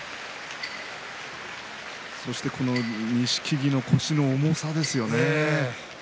そして錦木の腰の重さですね。